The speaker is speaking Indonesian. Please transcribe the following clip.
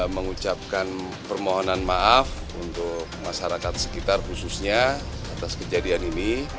mengucapkan permohonan maaf untuk masyarakat sekitar khususnya atas kejadian ini